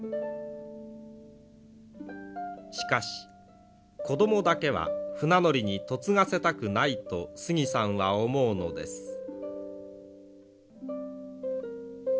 しかし子供だけは船乗りに嫁がせたくないとスギさんは思うのです。